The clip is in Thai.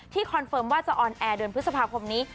คอนเฟิร์มว่าจะออนแอร์เดือนพฤษภาคมนี้